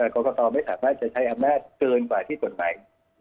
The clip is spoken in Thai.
กรกตไม่สามารถจะใช้อำนาจเกินกว่าที่กฎหมาย